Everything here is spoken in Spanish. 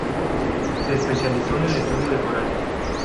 Se especializó en el estudio de corales.